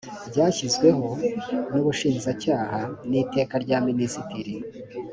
byashyizweho n ubushinjacyaha n iteka rya minisitiri